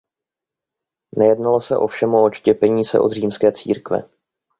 Nejednalo se ovšem o odštěpení se od římské církve.